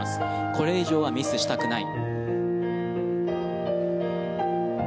これ以上はミスしたくない。